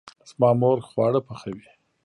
زما مور خواړه پخوي